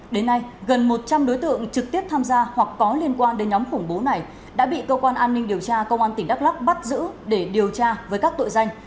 đến nay gần một trăm linh đối tượng trực tiếp tham gia hoặc có liên quan đến nhóm khủng bố này đã bị cơ quan an ninh điều tra công an tỉnh đắk lắk bắt giữ để điều tra với các tội danh